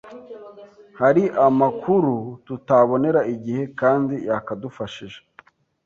hari amakuru tutabonera igihe kandi yakadufashije